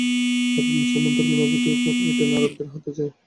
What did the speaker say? তারপর মুসলমান ধর্মের অভ্যুদয়ের পর এডেন আরবদের হাতে যায়।